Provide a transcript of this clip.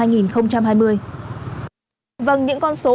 vâng những con số khá là ấn tượng phải không ạ